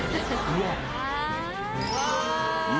うわっ。